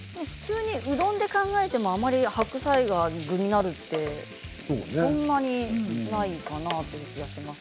うどんと考えても白菜が具になるってそんなにないかなという気がします。